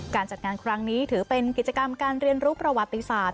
การจัดงานครั้งนี้ถือเป็นกิจกรรมการเรียนรู้ประวัติศาสต